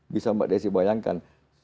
bisa mbak desi bayangkan